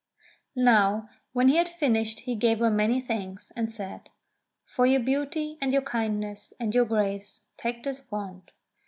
Now, when he had finished he gave her many thanks, and said : *'For your beauty, and your kindness, and your grace, take this wand.